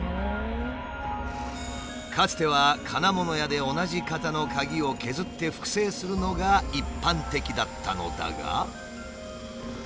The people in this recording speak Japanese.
かつては金物屋で同じ型の鍵を削って複製するのが一般的だったのだが。